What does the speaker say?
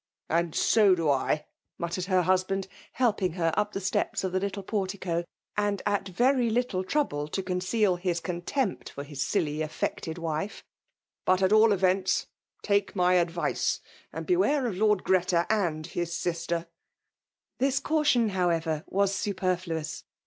t " And so do I/' muttered her husband, helpr ing her up the steps of the little portico ; an4 at very little trouble to conceal liis contempt for his silly affected wife. But at all ev^ats, take my advice> and beware of Lord Greti^ and faifi sister.^^ This caution, however, was superfluous.